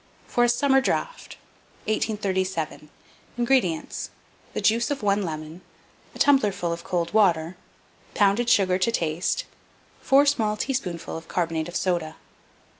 FOR A SUMMER DRAUGHT. 1837. INGREDIENTS. The juice of 1 lemon, a tumbler ful of cold water, pounded sugar to taste, 4 small teaspoonful of carbonate of soda.